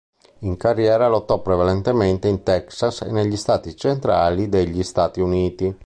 In carriera, lottò prevalentemente in Texas e negli Stati centrali degli Stati Uniti.